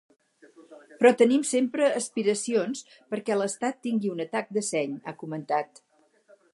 Però tenim sempre aspiracions perquè l’estat tingui un atac de seny, ha comentat.